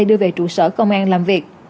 đưa về trụ sở công an làm việc